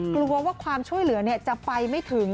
กลัวว่าความช่วยเหลือจะไปไม่ถึง